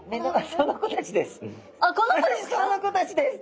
その子たちです！